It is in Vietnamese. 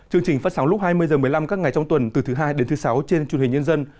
chương trình phát sóng lúc hai mươi h một mươi năm các ngày trong tuần từ thứ hai đến thứ sáu trên truyền hình nhân dân